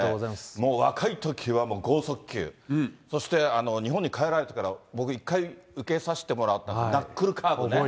もう若いときは剛速球、そして日本に帰られてから、僕、１回、受けさせてもらった、ナックルカーブね。